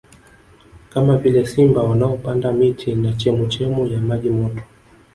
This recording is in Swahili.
Kama vile simba wanaopanda miti na chemuchemu ya maji moto